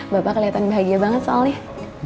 bapak kelihatan bahagia banget soalnya